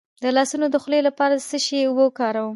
د لاسونو د خولې لپاره د څه شي اوبه وکاروم؟